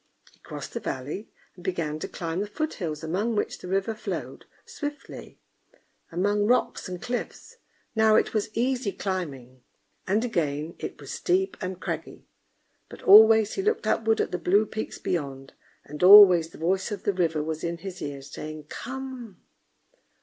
He crossed the valley, and began to climb the foothills among which the river flowed swiftly, among rocks and cliffs. Now it was easy climbing, and again it was steep and craggy, but always he looked upward at the blue peaks beyond, and always the voice of the river was in his ears, saying "Come!"